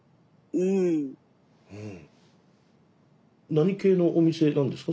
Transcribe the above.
何系のお店なんですか？